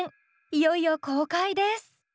いよいよ公開です！